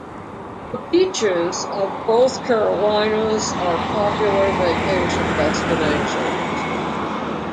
The beaches of both Carolinas are popular vacation destinations.